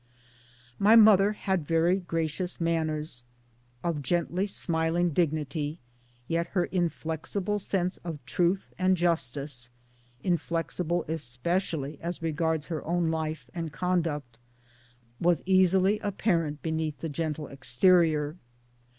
My mother had very gracious manners, of gently smiling dignity, yet her inflexible sense of truth and justice inflexible especially as .regards her own life and conduct was easily apparent beneath the gentle exterior.